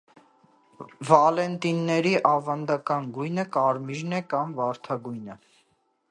Վալենտինների ավանդական գույնը կարմիրն է, կամ վարդագույնը։